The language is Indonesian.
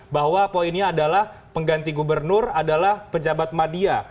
bahwa poinnya adalah pengganti gubernur adalah pejabat media